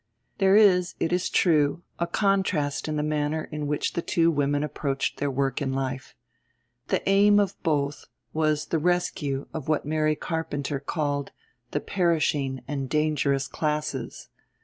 There is, it is true, a contrast in the manner in which the two women approached their work in life. The aim of both was the rescue of what Mary Carpenter called "the perishing and dangerous classes."